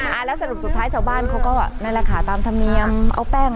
แล้วสรุปสุดท้ายชาวบ้านเขาก็นั่นแหละค่ะตามธรรมเนียมเอาแป้ง